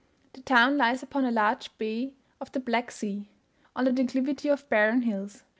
The town lies upon a large bay of the Black Sea, on the declivity of barren hills.